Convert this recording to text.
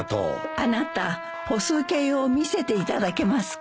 あなた歩数計を見せていただけますか？